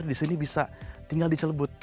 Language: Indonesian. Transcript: di sini bisa tinggal di celebut